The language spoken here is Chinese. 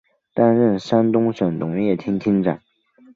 担任山东省农业厅厅长。